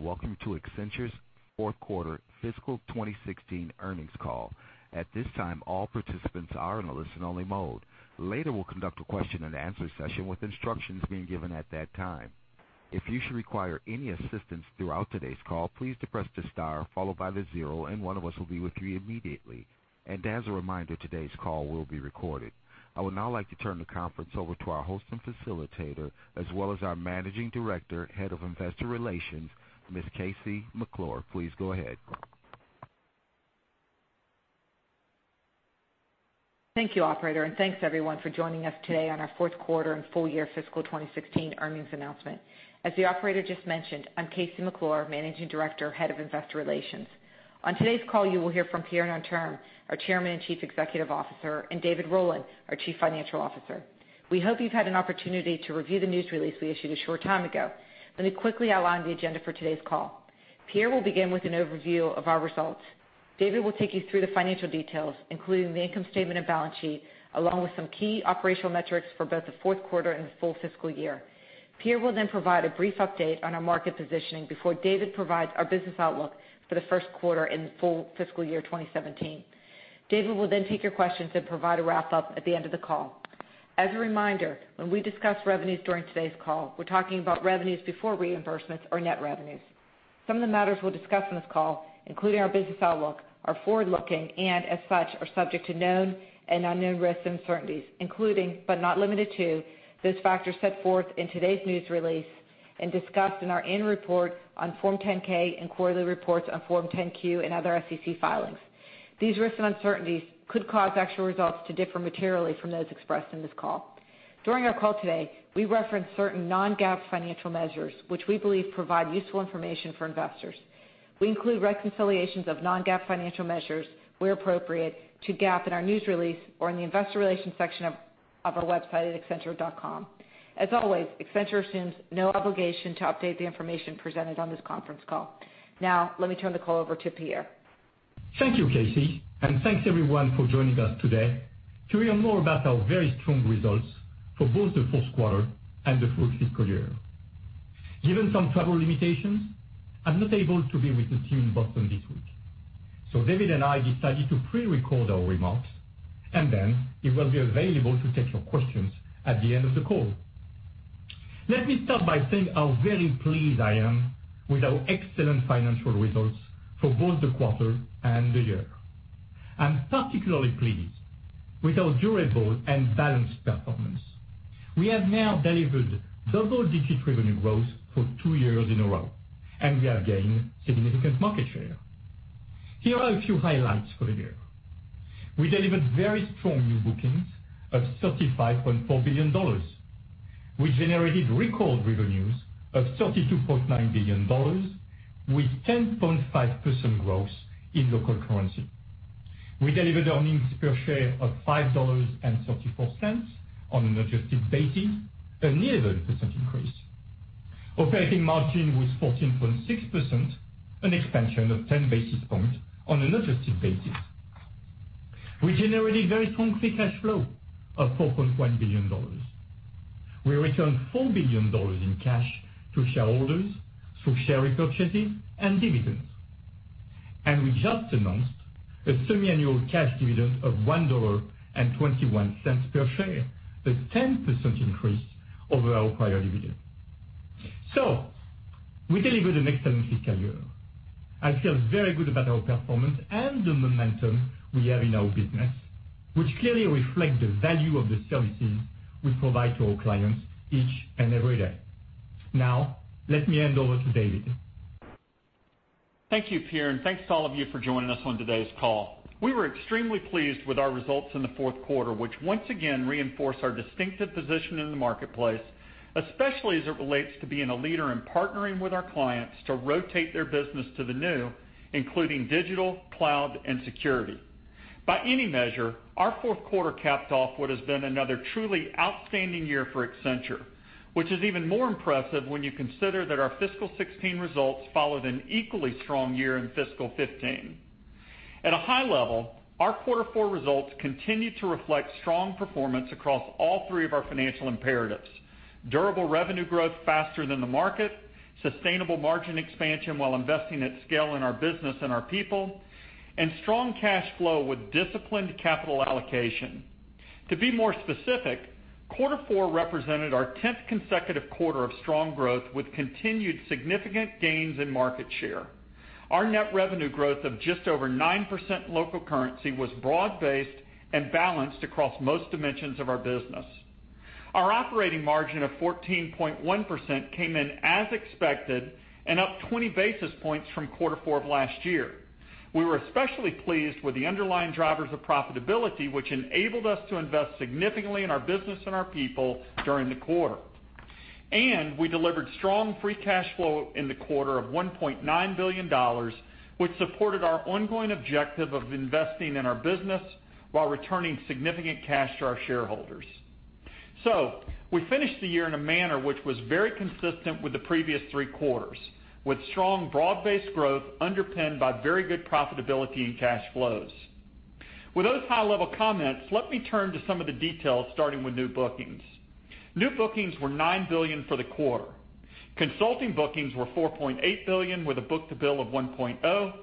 Welcome to Accenture's fourth quarter fiscal 2016 earnings call. At this time, all participants are in a listen-only mode. Later, we'll conduct a question and answer session with instructions being given at that time. If you should require any assistance throughout today's call, please depress the star followed by the zero, and one of us will be with you immediately. As a reminder, today's call will be recorded. I would now like to turn the conference over to our host and facilitator, as well as our Managing Director, Head of Investor Relations, Ms. KC McClure. Please go ahead. Thank you, operator. Thanks everyone for joining us today on our fourth quarter and full year fiscal 2016 earnings announcement. As the operator just mentioned, I'm KC McClure, Managing Director, Head of Investor Relations. On today's call, you will hear from Pierre Nanterme, our Chairman and Chief Executive Officer, and David Rowland, our Chief Financial Officer. We hope you've had an opportunity to review the news release we issued a short time ago. Let me quickly outline the agenda for today's call. Pierre will begin with an overview of our results. David will take you through the financial details, including the income statement and balance sheet, along with some key operational metrics for both the fourth quarter and the full fiscal year. Pierre will then provide a brief update on our market positioning before David provides our business outlook for the first quarter and full fiscal year 2017. David will take your questions and provide a wrap-up at the end of the call. As a reminder, when we discuss revenues during today's call, we're talking about revenues before reimbursements or net revenues. Some of the matters we'll discuss on this call, including our business outlook, are forward-looking, and as such, are subject to known and unknown risks and uncertainties, including, but not limited to, those factors set forth in today's news release and discussed in our annual report on Form 10-K and quarterly reports on Form 10-Q and other SEC filings. These risks and uncertainties could cause actual results to differ materially from those expressed in this call. During our call today, we reference certain non-GAAP financial measures, which we believe provide useful information for investors. We include reconciliations of non-GAAP financial measures where appropriate to GAAP in our news release or in the investor relations section of our website at accenture.com. As always, Accenture assumes no obligation to update the information presented on this conference call. Let me turn the call over to Pierre. Thank you, KC. Thanks everyone for joining us today to hear more about our very strong results for both the fourth quarter and the full fiscal year. Given some travel limitations, I am not able to be with the team in Boston this week. David and I decided to pre-record our remarks, then he will be available to take your questions at the end of the call. Let me start by saying how very pleased I am with our excellent financial results for both the quarter and the year. I am particularly pleased with our durable and balanced performance. We have now delivered double-digit revenue growth for two years in a row, and we are gaining significant market share. Here are a few highlights for the year. We delivered very strong new bookings of $35.4 billion. We generated record revenues of $32.9 billion with 10.5% growth in local currency. We delivered earnings per share of $5.34 on an adjusted basis, an 11% increase. Operating margin was 14.6%, an expansion of 10 basis points on an adjusted basis. We generated very strong free cash flow of $4.1 billion. We returned $4 billion in cash to shareholders through share repurchases and dividends. We just announced a semi-annual cash dividend of $1.21 per share, a 10% increase over our prior dividend. We delivered an excellent fiscal year. I feel very good about our performance and the momentum we have in our business, which clearly reflect the value of the services we provide to our clients each and every day. Let me hand over to David. Thank you, Pierre, and thanks to all of you for joining us on today's call. We were extremely pleased with our results in the fourth quarter, which once again reinforce our distinctive position in the marketplace, especially as it relates to being a leader in partnering with our clients to rotate their business to the new, including digital, cloud, and security. By any measure, our fourth quarter capped off what has been another truly outstanding year for Accenture, which is even more impressive when you consider that our FY 2016 results followed an equally strong year in FY 2015. At a high level, our quarter four results continued to reflect strong performance across all three of our financial imperatives. Durable revenue growth faster than the market, sustainable margin expansion while investing at scale in our business and our people, and strong cash flow with disciplined capital allocation. To be more specific, quarter four represented our tenth consecutive quarter of strong growth with continued significant gains in market share. Our net revenue growth of just over 9% in local currency was broad-based and balanced across most dimensions of our business. Our operating margin of 14.1% came in as expected and up 20 basis points from quarter four of last year. We were especially pleased with the underlying drivers of profitability, which enabled us to invest significantly in our business and our people during the quarter. We delivered strong free cash flow in the quarter of $1.9 billion, which supported our ongoing objective of investing in our business while returning significant cash to our shareholders. We finished the year in a manner which was very consistent with the previous three quarters, with strong broad-based growth underpinned by very good profitability and cash flows. With those high-level comments, let me turn to some of the details, starting with new bookings. New bookings were $9 billion for the quarter. Consulting bookings were $4.8 billion, with a book-to-bill of 1.0,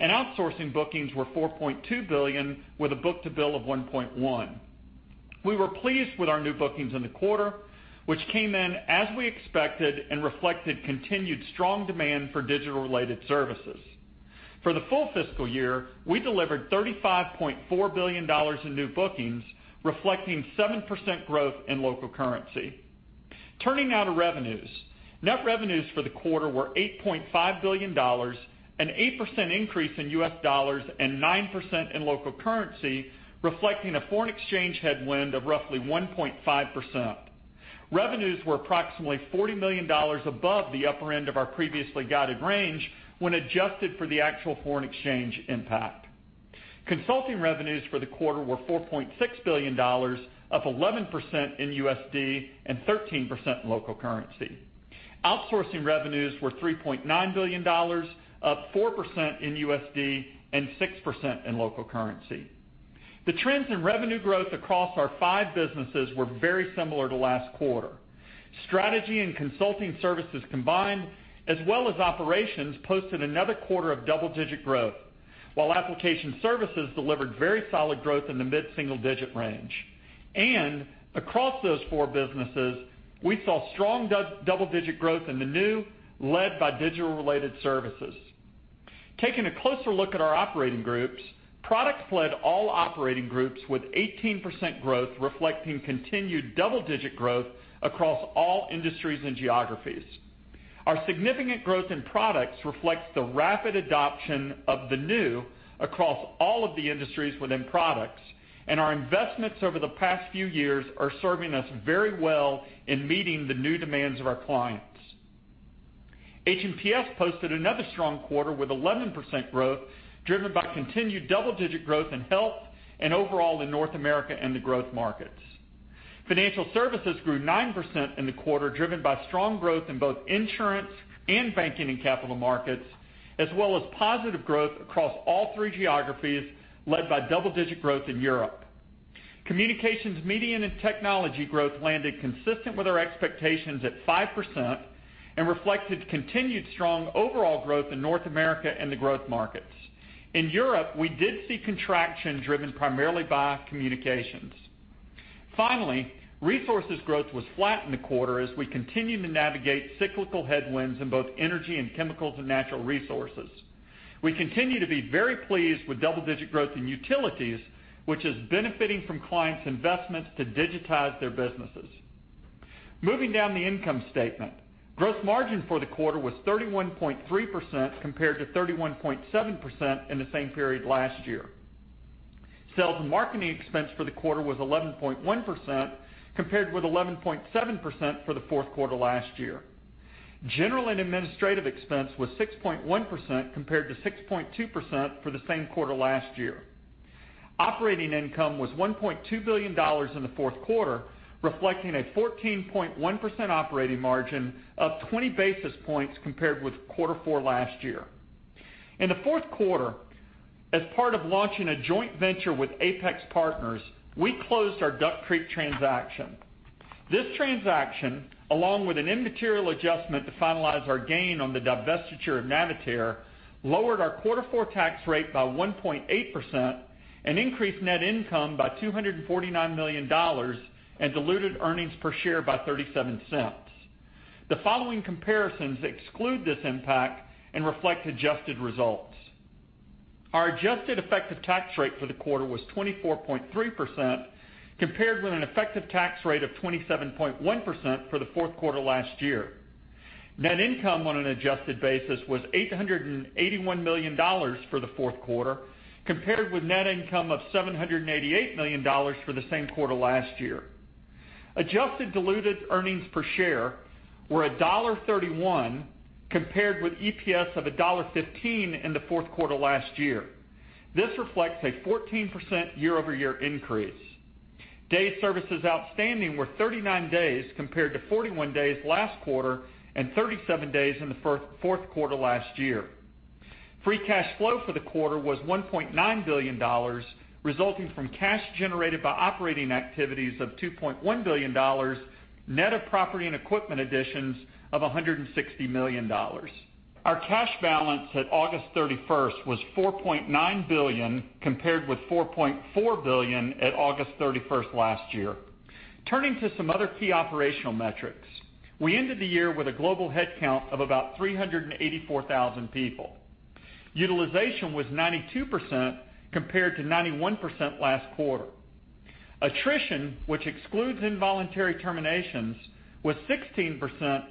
and outsourcing bookings were $4.2 billion, with a book-to-bill of 1.1. We were pleased with our new bookings in the quarter, which came in as we expected and reflected continued strong demand for digital-related services. For the full fiscal year, we delivered $35.4 billion in new bookings, reflecting 7% growth in local currency. Turning now to revenues. Net revenues for the quarter were $8.5 billion, an 8% increase in US dollars and 9% in local currency, reflecting a foreign exchange headwind of roughly 1.5%. Revenues were approximately $40 million above the upper end of our previously guided range when adjusted for the actual foreign exchange impact. Consulting revenues for the quarter were $4.6 billion, up 11% in USD and 13% in local currency. Outsourcing revenues were $3.9 billion, up 4% in USD and 6% in local currency. The trends in revenue growth across our five businesses were very similar to last quarter. Strategy and Consulting services combined, as well as Operations, posted another quarter of double-digit growth, while Application Services delivered very solid growth in the mid-single-digit range. Across those four businesses, we saw strong double-digit growth in the new, led by digital-related services. Taking a closer look at our operating groups, Products led all operating groups with 18% growth, reflecting continued double-digit growth across all industries and geographies. Our significant growth in Products reflects the rapid adoption of the new across all of the industries within Products, and our investments over the past few years are serving us very well in meeting the new demands of our clients. H&PS posted another strong quarter with 11% growth, driven by continued double-digit growth in health and overall in North America and the growth markets. Financial Services grew 9% in the quarter, driven by strong growth in both insurance and banking and capital markets, as well as positive growth across all three geographies, led by double-digit growth in Europe. Communications, Media, and Technology growth landed consistent with our expectations at 5% and reflected continued strong overall growth in North America and the growth markets. In Europe, we did see contraction driven primarily by communications. Finally, Resources growth was flat in the quarter as we continue to navigate cyclical headwinds in both energy and chemicals and natural resources. We continue to be very pleased with double-digit growth in utilities, which is benefiting from clients' investments to digitize their businesses. Moving down the income statement. Gross margin for the quarter was 31.3% compared to 31.7% in the same period last year. Sales and marketing expense for the quarter was 11.1%, compared with 11.7% for the fourth quarter last year. General and administrative expense was 6.1% compared to 6.2% for the same quarter last year. Operating income was $1.2 billion in the fourth quarter, reflecting a 14.1% operating margin, up 20 basis points compared with quarter four last year. In the fourth quarter, as part of launching a joint venture with Apax Partners, we closed our Duck Creek transaction. This transaction, along with an immaterial adjustment to finalize our gain on the divestiture of Navitaire, lowered our quarter 4 tax rate by 1.8% and increased net income by $249 million and diluted earnings per share by $0.37. The following comparisons exclude this impact and reflect adjusted results. Our adjusted effective tax rate for the quarter was 24.3%, compared with an effective tax rate of 27.1% for the fourth quarter last year. Net income on an adjusted basis was $881 million for the fourth quarter, compared with net income of $788 million for the same quarter last year. Adjusted diluted earnings per share were $1.31, compared with EPS of $1.15 in the fourth quarter last year. This reflects a 14% year-over-year increase. Days services outstanding were 39 days compared to 41 days last quarter and 37 days in the fourth quarter last year. Free cash flow for the quarter was $1.9 billion, resulting from cash generated by operating activities of $2.1 billion, net of property and equipment additions of $160 million. Our cash balance at August 31st was $4.9 billion, compared with $4.4 billion at August 31st last year. Turning to some other key operational metrics. We ended the year with a global headcount of about 384,000 people. Utilization was 92% compared to 91% last quarter. Attrition, which excludes involuntary terminations, was 16%,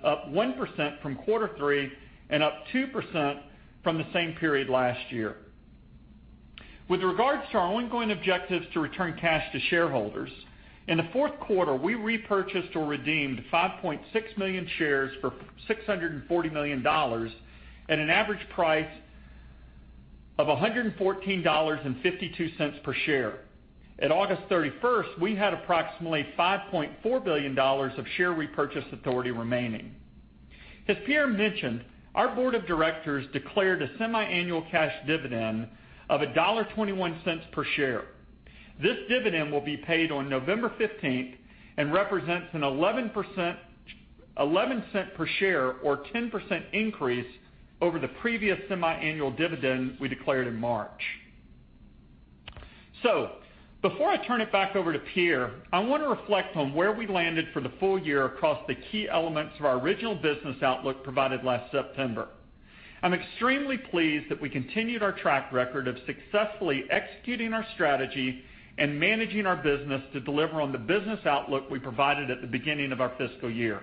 up 1% from quarter 3 and up 2% from the same period last year. With regards to our ongoing objectives to return cash to shareholders, in the fourth quarter, we repurchased or redeemed 5.6 million shares for $640 million at an average price of $114.52 per share. At August 31st, we had approximately $5.4 billion of share repurchase authority remaining. As Pierre mentioned, our board of directors declared a semi-annual cash dividend of $1.21 per share. This dividend will be paid on November 15th and represents an $0.11 per share or 10% increase over the previous semi-annual dividend we declared in March. Before I turn it back over to Pierre, I want to reflect on where we landed for the full year across the key elements of our original business outlook provided last September. I'm extremely pleased that we continued our track record of successfully executing our strategy and managing our business to deliver on the business outlook we provided at the beginning of our fiscal year.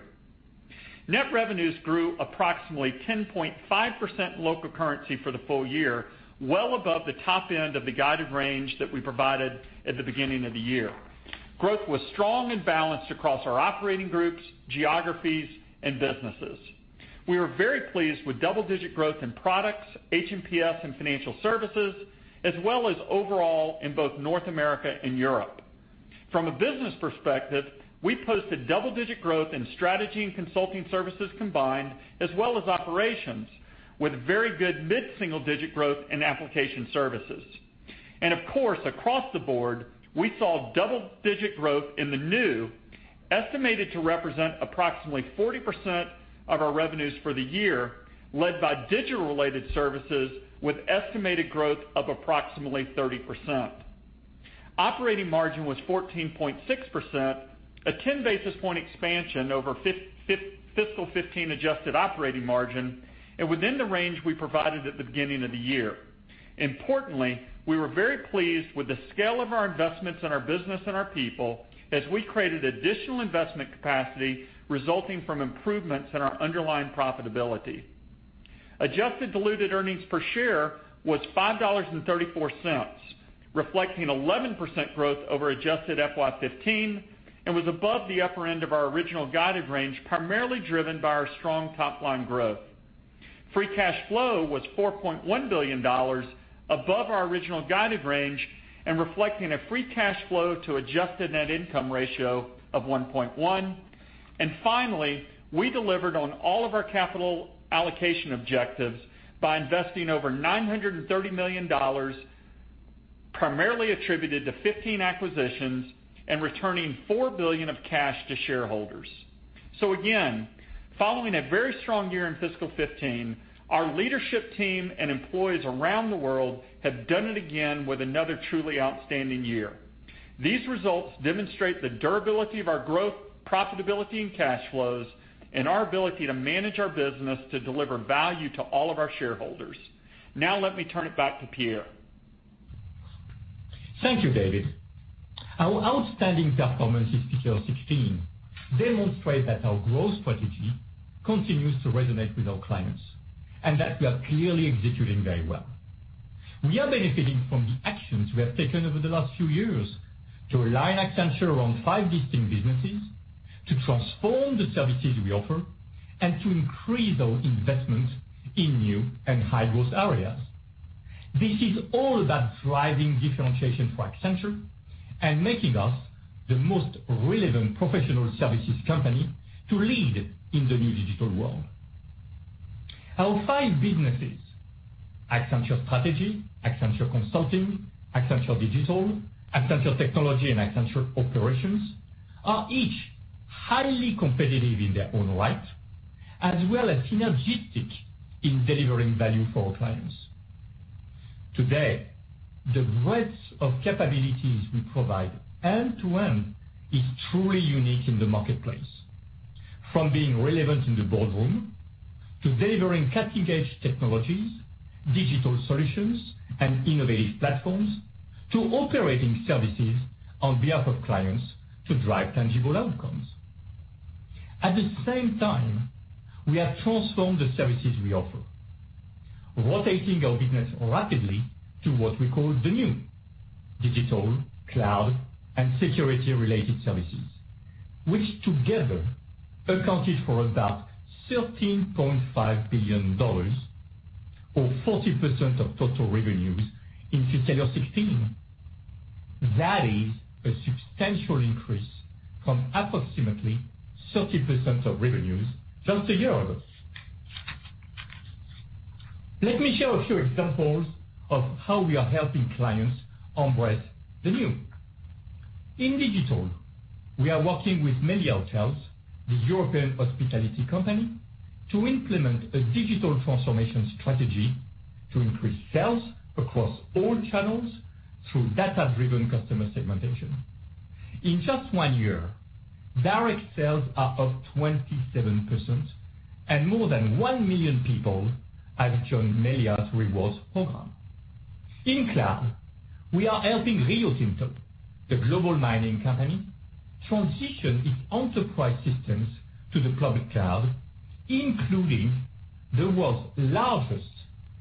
Net revenues grew approximately 10.5% in local currency for the full year, well above the top end of the guided range that we provided at the beginning of the year. Growth was strong and balanced across our operating groups, geographies, and businesses. We were very pleased with double-digit growth in Products, H&PS, and Financial Services, as well as overall in both North America and Europe. From a business perspective, we posted double-digit growth in Strategy and Consulting services combined, as well as Operations with very good mid-single-digit growth in application services. Of course, across the board, we saw double-digit growth in the new estimated to represent approximately 40% of our revenues for the year, led by digital-related services with an estimated growth of approximately 30%. Operating margin was 14.6%, a 10-basis point expansion over fiscal 2015 adjusted operating margin and within the range we provided at the beginning of the year. Importantly, we were very pleased with the scale of our investments in our business and our people as we created additional investment capacity resulting from improvements in our underlying profitability. Adjusted diluted earnings per share was $5.34, reflecting 11% growth over adjusted FY 2015 and was above the upper end of our original guided range, primarily driven by our strong top-line growth. Free cash flow was $4.1 billion above our original guided range and reflecting a free cash flow to adjusted net income ratio of 1.1. Finally, we delivered on all of our capital allocation objectives by investing over $930 million, primarily attributed to 15 acquisitions and returning $4 billion of cash to shareholders. Again, following a very strong year in fiscal 2015, our leadership team and employees around the world have done it again with another truly outstanding year. These results demonstrate the durability of our growth, profitability, and cash flows, and our ability to manage our business to deliver value to all of our shareholders. Let me turn it back to Pierre. Thank you, David. Our outstanding performance in fiscal 2016 demonstrates that our growth strategy continues to resonate with our clients, and that we are clearly executing very well. We are benefiting from the actions we have taken over the last few years to align Accenture around five distinct businesses, to transform the services we offer, and to increase our investment in new and high-growth areas. This is all about driving differentiation for Accenture and making us the most relevant professional services company to lead in the new digital world. Our five businesses, Accenture Strategy, Accenture Consulting, Accenture Digital, Accenture Technology, and Accenture Operations, are each highly competitive in their own right, as well as synergistic in delivering value for our clients. Today, the breadth of capabilities we provide end to end is truly unique in the marketplace. From being relevant in the boardroom to delivering cutting-edge technologies, digital solutions, and innovative platforms, to operating services on behalf of clients to drive tangible outcomes. At the same time, we have transformed the services we offer, rotating our business rapidly to what we call the new digital cloud and security-related services, which together accounted for about $13.5 billion or 40% of total revenues in fiscal 2016. That is a substantial increase from approximately 30% of revenues just a year ago. Let me share a few examples of how we are helping clients embrace the new. In digital, we are working with Meliá Hotels, the European hospitality company, to implement a digital transformation strategy to increase sales across all channels through data-driven customer segmentation. In just one year, direct sales are up 27% and more than 1 million people have joined Meliá's rewards program. In cloud, we are helping Rio Tinto, the global mining company, transition its enterprise systems to the public cloud, including the world's largest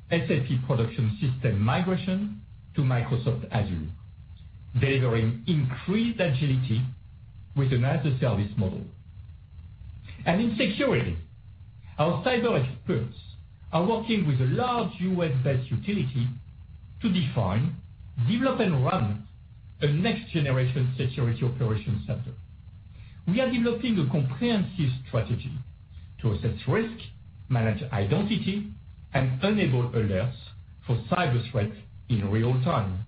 SAP production system migration to Microsoft Azure, delivering increased agility with an Azure service model. In security, our cyber experts are working with a large U.S.-based utility to define, develop, and run a next-generation security operations center. We are developing a comprehensive strategy to assess risk, manage identity, and enable alerts for cyber threats in real time.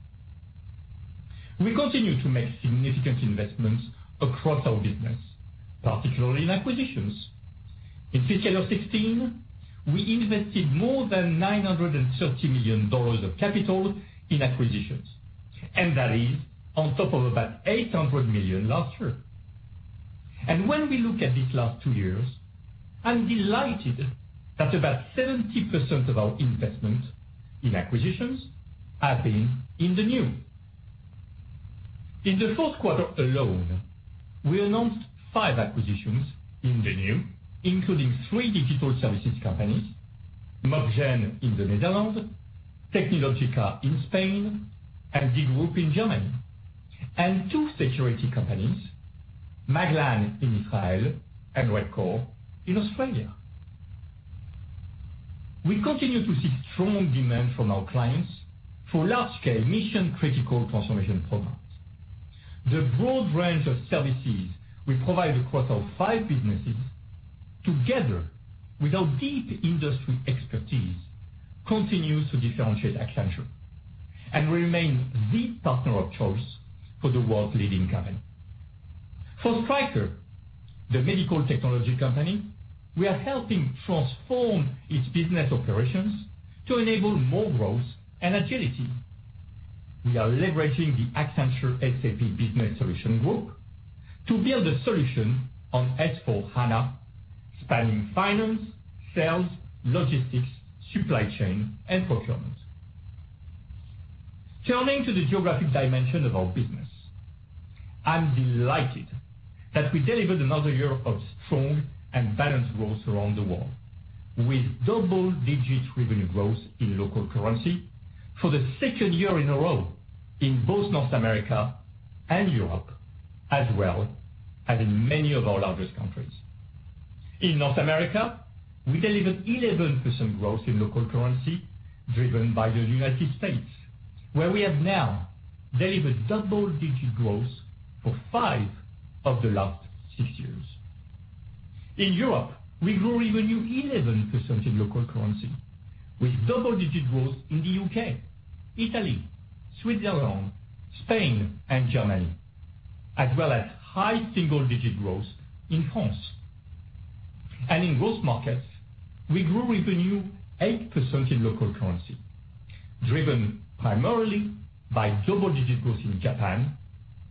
We continue to make significant investments across our business, particularly in acquisitions. In fiscal year 2016, we invested more than $930 million of capital in acquisitions, and that is on top of about $800 million last year. When we look at these last two years, I'm delighted that about 70% of our investment in acquisitions have been in the new. In the fourth quarter alone, we announced 5 acquisitions in the new, including three digital services companies, MOBGEN in the Netherlands, Tecnilógica in Spain, and dgroup in Germany. Two security companies, Maglan in Israel and Redcore in Australia. We continue to see strong demand from our clients for large-scale mission-critical transformation programs. The broad range of services we provide across our five businesses, together with our deep industry expertise, continues to differentiate Accenture and remains the partner of choice for the world's leading companies. For Stryker, the medical technology company, we are helping transform its business operations to enable more growth and agility. We are leveraging the Accenture SAP Business Solutions Group to build a solution on S/4HANA spanning finance, sales, logistics, supply chain, and procurement. Turning to the geographic dimension of our business, I'm delighted that we delivered another year of strong and balanced growth around the world, with double-digit revenue growth in local currency for the second year in a row in both North America and Europe, as well as in many of our largest countries. In North America, we delivered 11% growth in local currency, driven by the United States, where we have now delivered double-digit growth for five of the last six years. In Europe, we grew revenue 11% in local currency, with double-digit growth in the U.K., Italy, Switzerland, Spain, and Germany, as well as high single-digit growth in France. In growth markets, we grew revenue 8% in local currency, driven primarily by double-digit growth in Japan,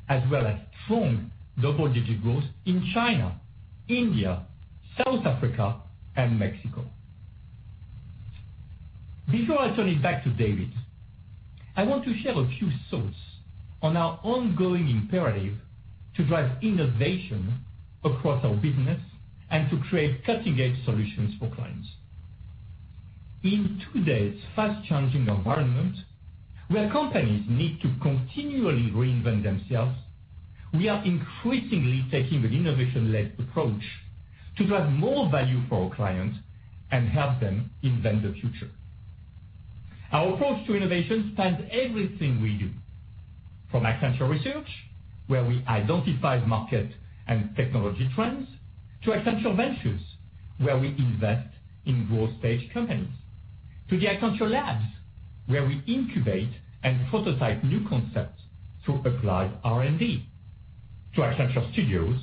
as well as strong double-digit growth in China, India, South Africa, and Mexico. Before I turn it back to David, I want to share a few thoughts on our ongoing imperative to drive innovation across our business and to create cutting-edge solutions for clients. In today's fast-changing environment, where companies need to continually reinvent themselves, we are increasingly taking an innovation-led approach to drive more value for our clients and help them invent the future. Our approach to innovation spans everything we do, from Accenture Research, where we identify market and technology trends, to Accenture Ventures, where we invest in growth-stage companies, to the Accenture Labs, where we incubate and prototype new concepts through applied R&D, to Accenture Liquid Studio,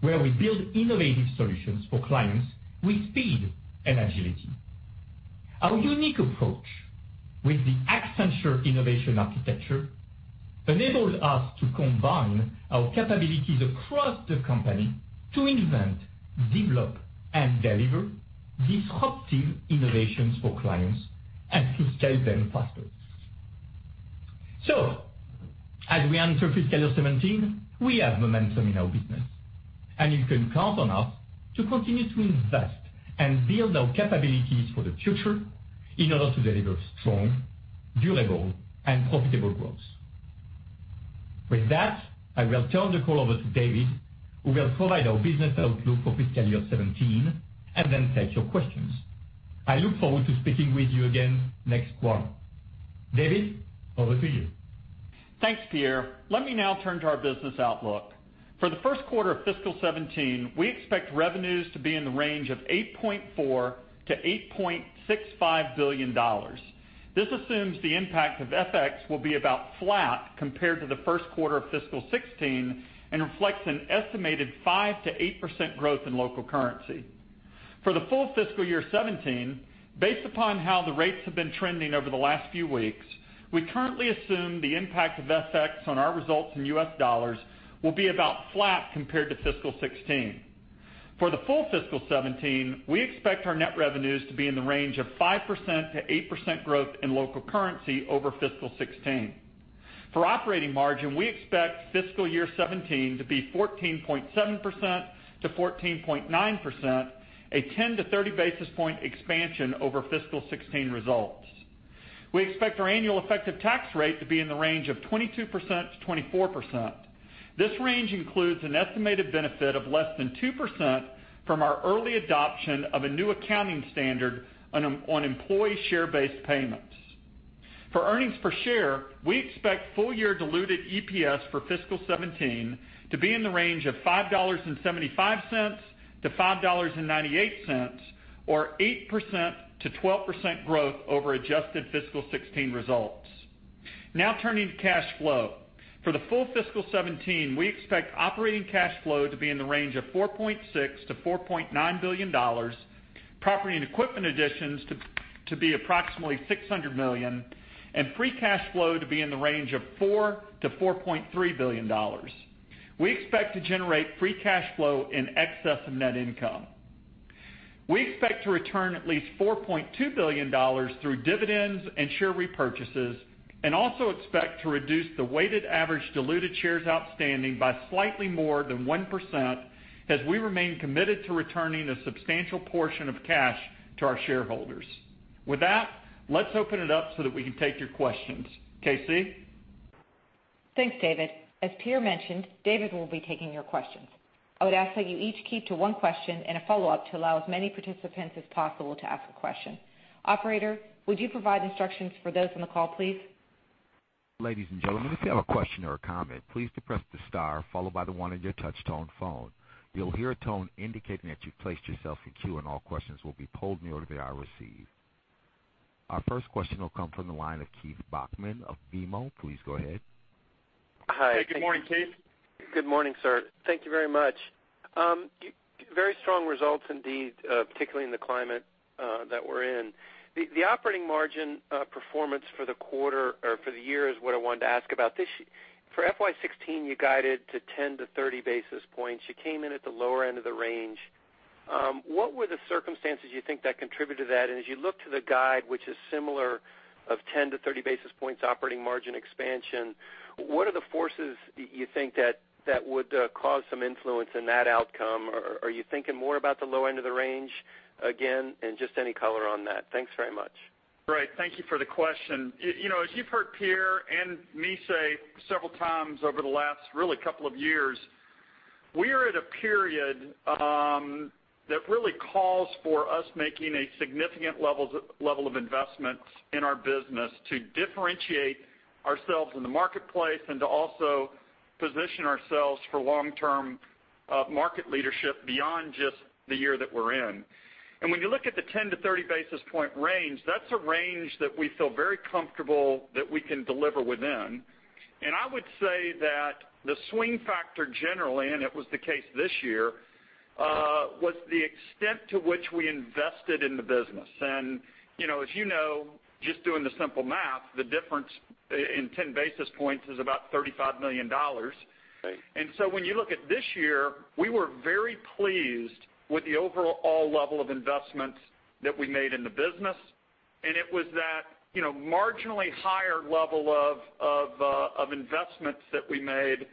where we build innovative solutions for clients with speed and agility. Our unique approach with the Accenture Innovation Architecture enables us to combine our capabilities across the company to invent, develop, and deliver disruptive innovations for clients and to scale them faster. As we enter fiscal year 2017, we have momentum in our business, and you can count on us to continue to invest and build our capabilities for the future in order to deliver strong, durable, and profitable growth. With that, I will turn the call over to David, who will provide our business outlook for fiscal year 2017 and then take your questions. I look forward to speaking with you again next quarter. David, over to you. Thanks, Pierre. Let me now turn to our business outlook. For the first quarter of fiscal 2017, we expect revenues to be in the range of $8.4 billion-$8.65 billion. This assumes the impact of FX will be about flat compared to the first quarter of fiscal 2016 and reflects an estimated 5%-8% growth in local currency. For the full fiscal year 2017, based upon how the rates have been trending over the last few weeks, we currently assume the impact of FX on our results in US dollars will be about flat compared to fiscal 2016. For the full fiscal 2017, we expect our net revenues to be in the range of 5%-8% growth in local currency over fiscal 2016. For operating margin, we expect fiscal year 2017 to be 14.7%-14.9%, a 10-30 basis point expansion over fiscal 2016 results. We expect our annual effective tax rate to be in the range of 22%-24%. This range includes an estimated benefit of less than 2% from our early adoption of a new accounting standard on employee share-based payments. For earnings per share, we expect full-year diluted EPS for fiscal 2017 to be in the range of $5.75-$5.98, or 8%-12% growth over adjusted fiscal 2016 results. Now turning to cash flow. For the full fiscal 2017, we expect operating cash flow to be in the range of $4.6 billion-$4.9 billion, property and equipment additions to be approximately $600 million, and free cash flow to be in the range of $4 billion-$4.3 billion. We expect to generate free cash flow in excess of net income. We expect to return at least $4.2 billion through dividends and share repurchases, and also expect to reduce the weighted average diluted shares outstanding by slightly more than 1%, as we remain committed to returning a substantial portion of cash to our shareholders. With that, let's open it up so that we can take your questions. KC? Thanks, David. As Pierre mentioned, David will be taking your questions. I would ask that you each keep to one question and a follow-up to allow as many participants as possible to ask a question. Operator, would you provide instructions for those on the call, please? Ladies and gentlemen, if you have a question or a comment, please depress the star followed by the one on your touch tone phone. You'll hear a tone indicating that you've placed yourself in queue, and all questions will be polled in the order they are received. Our first question will come from the line of Keith Bachman of BMO. Please go ahead. Hi. Hey, good morning, Keith. Good morning, sir. Thank you very much. Very strong results indeed, particularly in the climate that we're in. The operating margin performance for the quarter or for the year is what I wanted to ask about. For FY 2016, you guided to 10-30 basis points. You came in at the lower end of the range. What were the circumstances you think that contributed to that? As you look to the guide, which is similar of 10-30 basis points operating margin expansion, what are the forces you think that would cause some influence in that outcome? Are you thinking more about the low end of the range again, and just any color on that? Thanks very much. Right. Thank you for the question. As you've heard Pierre and me say several times over the last really couple of years, we are at a period that really calls for us making a significant level of investment in our business to differentiate ourselves in the marketplace and to also position ourselves for long-term market leadership beyond just the year that we're in. When you look at the 10-30 basis point range, that's a range that we feel very comfortable that we can deliver within. I would say that the swing factor generally, and it was the case this year, was the extent to which we invested in the business. As you know, just doing the simple math, the difference in 10 basis points is about $35 million. Right. When you look at this year, we were very pleased with the overall level of investments that we made in the business. It was that marginally higher level of investments that we made.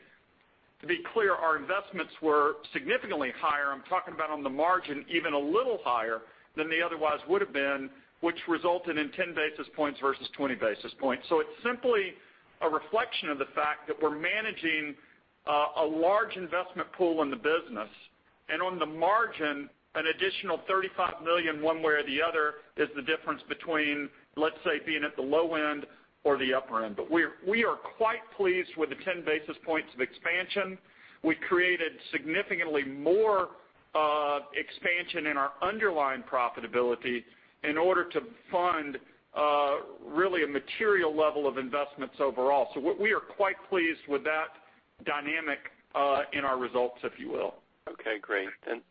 To be clear, our investments were significantly higher, I'm talking about on the margin, even a little higher than they otherwise would've been, which resulted in 10 basis points versus 20 basis points. It's simply a reflection of the fact that we're managing a large investment pool in the business, and on the margin, an additional $35 million, one way or the other, is the difference between, let's say, being at the low end or the upper end. We are quite pleased with the 10 basis points of expansion. We created significantly more expansion in our underlying profitability in order to fund really a material level of investments overall. We are quite pleased with that dynamic in our results, if you will. Okay, great.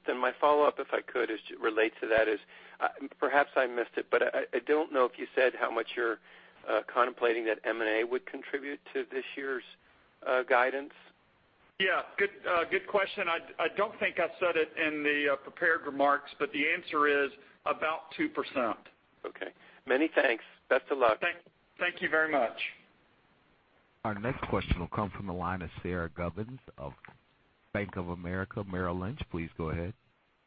My follow-up, if I could, relates to that is, perhaps I missed it, but I don't know if you said how much you're contemplating that M&A would contribute to this year's guidance. Yeah. Good question. I don't think I said it in the prepared remarks, but the answer is about 2%. Okay. Many thanks. Best of luck. Thank you very much. Our next question will come from the line of Sara Gubins of Bank of America Merrill Lynch. Please go ahead.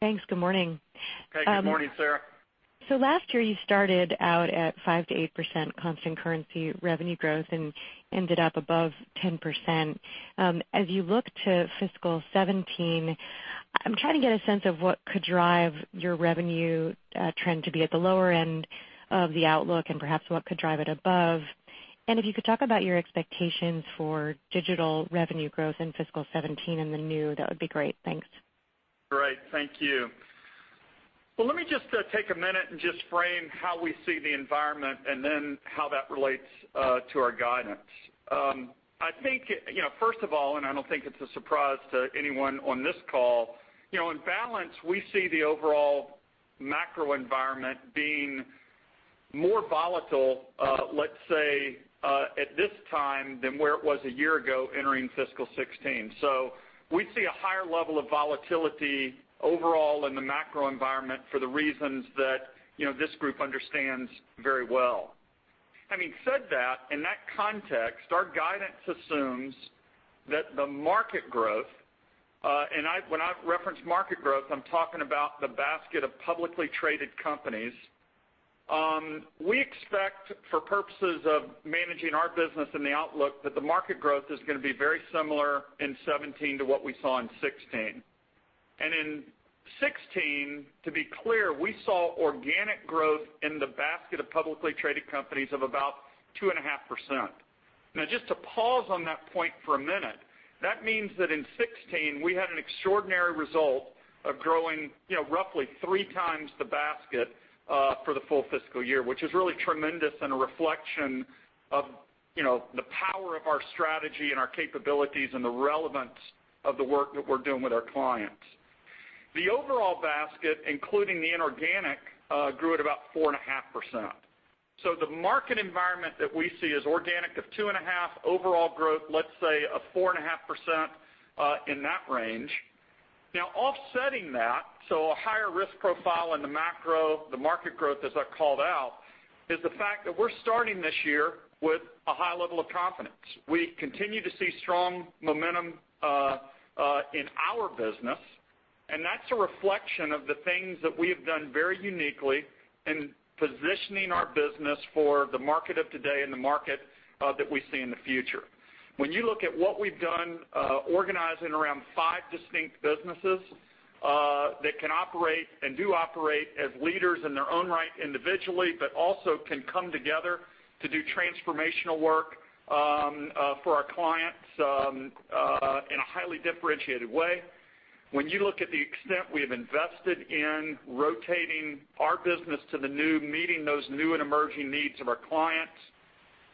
Thanks. Good morning. Hey, good morning, Sara. Last year you started out at 5%-8% constant currency revenue growth and ended up above 10%. As you look to fiscal 2017, I'm trying to get a sense of what could drive your revenue trend to be at the lower end of the outlook and perhaps what could drive it above. If you could talk about your expectations for digital revenue growth in fiscal 2017 in the new, that would be great. Thanks. Great. Thank you. Let me just take a minute and just frame how we see the environment and then how that relates to our guidance. First of all, I don't think it's a surprise to anyone on this call, in balance, we see the overall macro environment being more volatile, let's say, at this time than where it was a year ago entering fiscal 2016. We see a higher level of volatility overall in the macro environment for the reasons that this group understands very well. Having said that, in that context, our guidance assumes that the market growth, when I reference market growth, I'm talking about the basket of publicly traded companies. We expect, for purposes of managing our business and the outlook, that the market growth is going to be very similar in 2017 to what we saw in 2016. In 2016, to be clear, we saw organic growth in the basket of publicly traded companies of about 2.5%. Just to pause on that point for a minute, that means that in 2016, we had an extraordinary result of growing roughly three times the basket for the full fiscal year, which is really tremendous and a reflection of the power of our strategy and our capabilities and the relevance of the work that we're doing with our clients. The overall basket, including the inorganic, grew at about 4.5%. The market environment that we see is organic of 2.5%, overall growth, let's say, of 4.5% in that range. Offsetting that, so a higher risk profile in the macro, the market growth, as I called out, is the fact that we're starting this year with a high level of confidence. We continue to see strong momentum in our business, that's a reflection of the things that we have done very uniquely in positioning our business for the market of today and the market that we see in the future. When you look at what we've done organizing around five distinct businesses that can operate and do operate as leaders in their own right individually, but also can come together to do transformational work for our clients in a highly differentiated way. When you look at the extent we have invested in rotating our business to the new, meeting those new and emerging needs of our clients,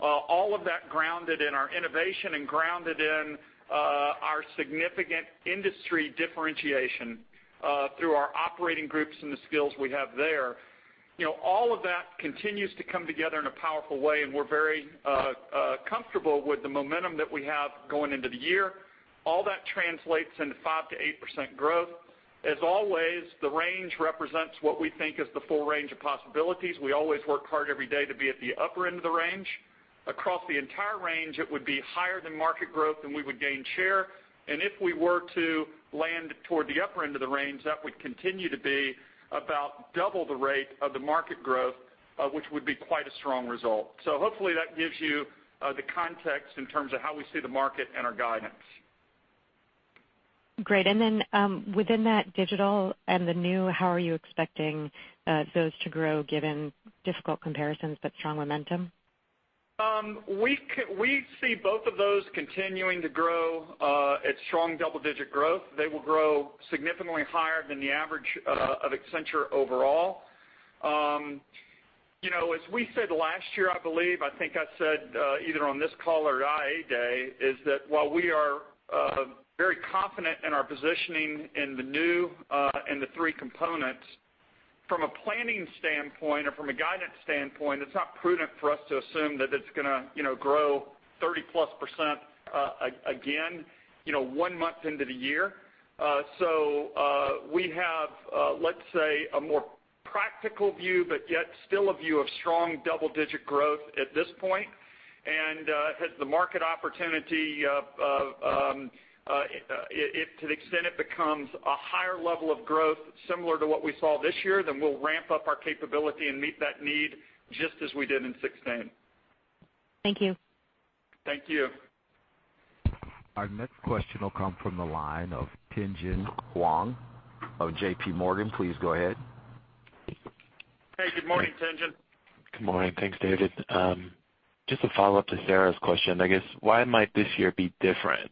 all of that grounded in our innovation and grounded in our significant industry differentiation through our operating groups and the skills we have there. All of that continues to come together in a powerful way, we're very comfortable with the momentum that we have going into the year. All that translates into 5%-8% growth. As always, the range represents what we think is the full range of possibilities. We always work hard every day to be at the upper end of the range. Across the entire range, it would be higher than market growth, we would gain share. If we were to land toward the upper end of the range, that would continue to be about double the rate of the market growth, which would be quite a strong result. Hopefully that gives you the context in terms of how we see the market and our guidance. Great. Then, within that digital and the new, how are you expecting those to grow, given difficult comparisons, but strong momentum? We see both of those continuing to grow at strong double-digit growth. They will grow significantly higher than the average of Accenture overall. As we said last year, I believe, I think I said, either on this call or at IA Day, is that while we are very confident in our positioning in the new and the three components, from a planning standpoint or from a guidance standpoint, it's not prudent for us to assume that it's going to grow 30+% again one month into the year. We have, let's say, a more practical view, but yet still a view of strong double-digit growth at this point. As the market opportunity, to the extent it becomes a higher level of growth similar to what we saw this year, then we'll ramp up our capability and meet that need just as we did in 2016. Thank you. Thank you. Our next question will come from the line of Tien-Tsin Huang of JPMorgan. Please go ahead. Hey, good morning, Tien-Tsin. Good morning. Thanks, David. Just a follow-up to Sara's question, I guess, why might this year be different,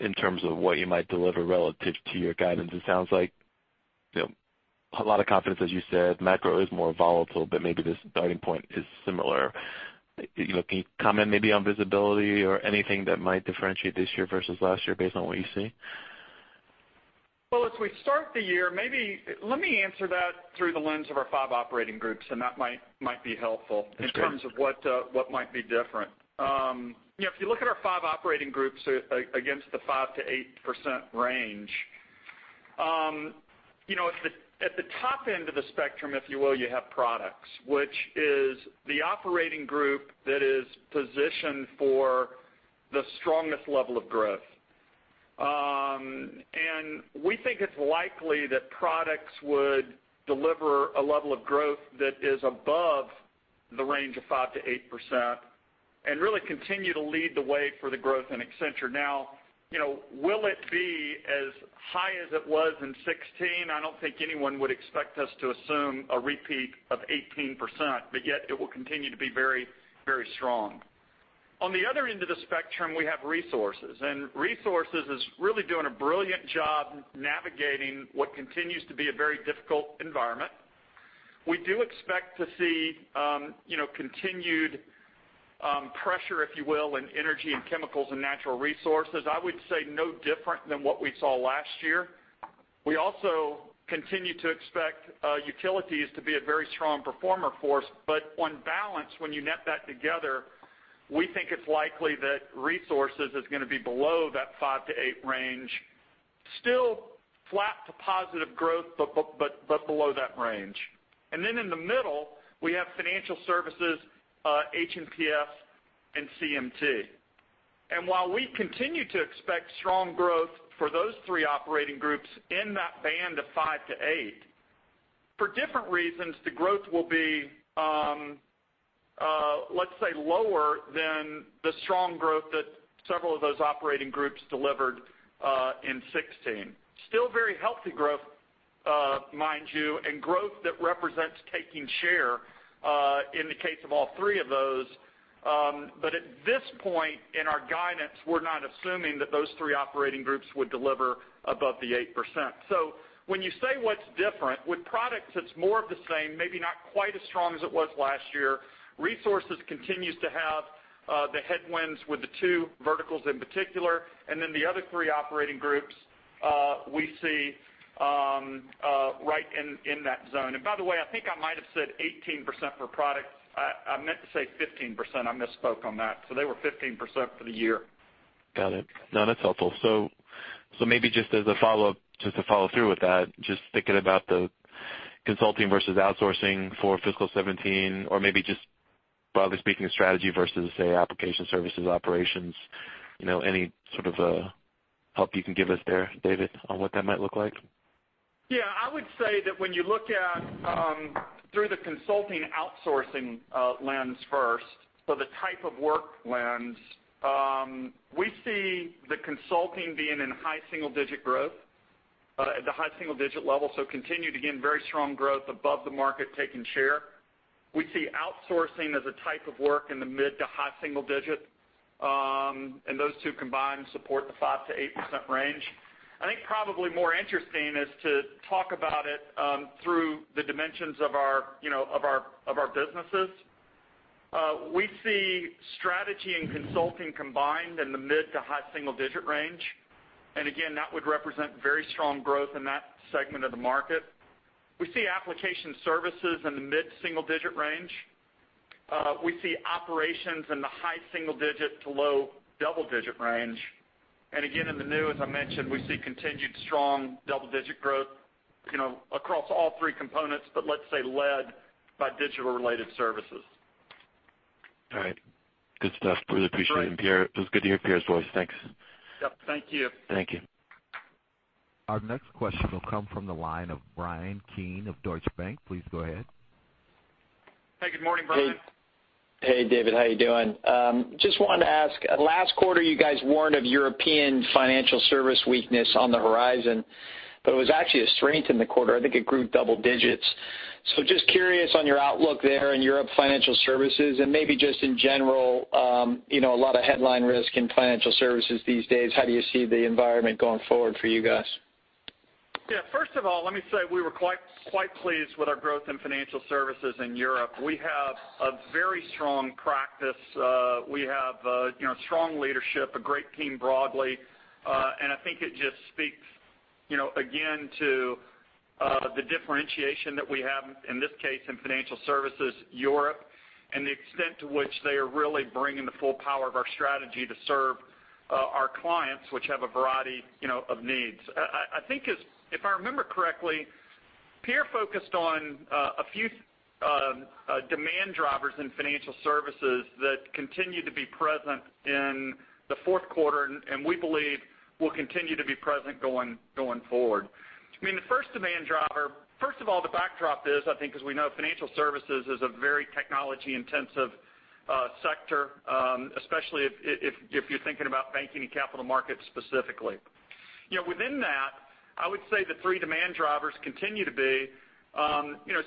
in terms of what you might deliver relative to your guidance? It sounds like a lot of confidence, as you said. Macro is more volatile, but maybe this starting point is similar. Can you comment maybe on visibility or anything that might differentiate this year versus last year based on what you see? Well, as we start the year, let me answer that through the lens of our five operating groups, and that might be helpful. That's great. If you look at our five operating groups against the 5%-8% range, at the top end of the spectrum, if you will, you have Products, which is the operating group that is positioned for the strongest level of growth. We think it's likely that Products would deliver a level of growth that is above the range of 5%-8% and really continue to lead the way for the growth in Accenture. Will it be as high as it was in 2016? I don't think anyone would expect us to assume a repeat of 18%, but yet it will continue to be very strong. On the other end of the spectrum, we have Resources, and Resources is really doing a brilliant job navigating what continues to be a very difficult environment. We do expect to see continued pressure, if you will, in Energy and Chemicals and Natural Resources, I would say no different than what we saw last year. We also continue to expect Utilities to be a very strong performer for us. On balance, when you net that together, we think it's likely that Resources is going to be below that 5-8 range, still flat to positive growth, but below that range. Then in the middle, we have Financial Services, H&PS, and CMT. While we continue to expect strong growth for those three operating groups in that band of 5-8, for different reasons, the growth will be, let's say, lower than the strong growth that several of those operating groups delivered in 2016. Still very healthy growth, mind you, and growth that represents taking share in the case of all three of those. At this point in our guidance, we're not assuming that those three operating groups would deliver above the 8%. When you say what's different, with Products, it's more of the same, maybe not quite as strong as it was last year. Resources continues to have the headwinds with the two verticals in particular, and the other three operating groups, we see right in that zone. By the way, I think I might have said 18% for Products. I meant to say 15%. I misspoke on that. They were 15% for the year. Got it. That's helpful. Maybe just as a follow-up, just to follow through with that, just thinking about the consulting versus outsourcing for fiscal 2017 or maybe just broadly speaking, strategy versus, say, Application Services and Operations, any sort of help you can give us there, David, on what that might look like? I would say that when you look at through the consulting outsourcing lens first, so the type of work lens, we see the consulting being in high single-digit growth, at the high single-digit level. Continue to gain very strong growth above the market, taking share. We see outsourcing as a type of work in the mid to high single-digit, and those two combined support the 5%-8% range. I think probably more interesting is to talk about it through the dimensions of our businesses. We see Strategy and Consulting combined in the mid to high single-digit range, and again, that would represent very strong growth in that segment of the market. We see application services in the mid-single-digit range. We see operations in the high single-digit to low double-digit range. Again, in the new, as I mentioned, we see continued strong double-digit growth across all 3 components, but let's say led by digital-related services. All right. Good stuff. Really appreciate it. Great. Pierre, it was good to hear Pierre's voice. Thanks. Yep, thank you. Thank you. Our next question will come from the line of Bryan Keane of Deutsche Bank. Please go ahead. Hey, good morning, Bryan. Hey, David. How you doing? Just wanted to ask, last quarter, you guys warned of European financial service weakness on the horizon, but it was actually a strength in the quarter. I think it grew double digits. Just curious on your outlook there in Europe financial services and maybe just in general, a lot of headline risk in financial services these days, how do you see the environment going forward for you guys? Yeah. First of all, let me say, we were quite pleased with our growth in financial services in Europe. We have a very strong practice. We have strong leadership, a great team broadly. I think it just speaks, again, to the differentiation that we have, in this case, in financial services, Europe, and the extent to which they are really bringing the full power of our strategy to serve our clients, which have a variety of needs. I think if I remember correctly, Pierre focused on a few demand drivers in financial services that continue to be present in the fourth quarter, and we believe will continue to be present going forward. The first demand driver, first of all, the backdrop is, I think as we know, financial services is a very technology-intensive sector, especially if you're thinking about banking and capital markets specifically. Within that, I would say the three demand drivers continue to be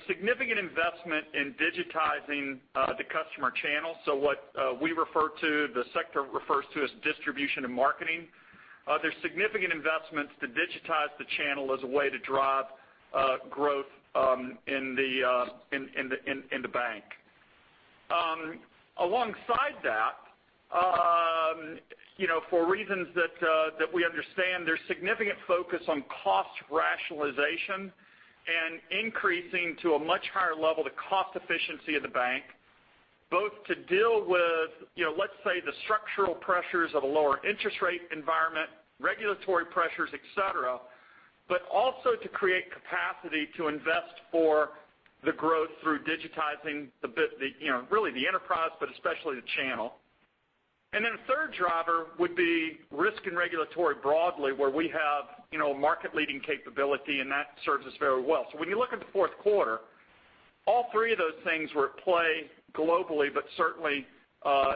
significant investment in digitizing the customer channel. What we refer to, the sector refers to as distribution and marketing. There's significant investments to digitize the channel as a way to drive growth in the bank. Alongside that, for reasons that we understand, there's significant focus on cost rationalization and increasing to a much higher level the cost efficiency of the bank, both to deal with, let's say, the structural pressures of a lower interest rate environment, regulatory pressures, et cetera, but also to create capacity to invest for the growth through digitizing really the enterprise, but especially the channel. Then a third driver would be risk and regulatory broadly, where we have market-leading capability, and that serves us very well. When you look at the fourth quarter, all three of those things were at play globally, but certainly